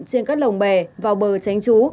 trên các lồng bè vào bờ tránh trú